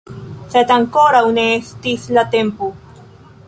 Sed ankoraŭ ne estis la tempo.